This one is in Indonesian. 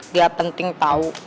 gak penting tau